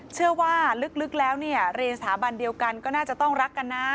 เชื่อว่าลึกแล้วเนี่ยเรียนสถาบันเดียวกันก็น่าจะต้องรักกันนะ